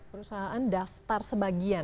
perusahaan daftar sebagian